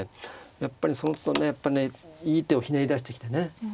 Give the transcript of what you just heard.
やっぱりそのつどねやっぱねいい手をひねり出してきてね。